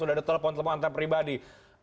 sudah ada telepon telepon antar pribadi